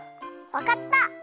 わかった！